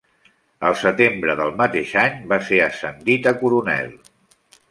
Al setembre del mateix any va ser ascendit a coronel.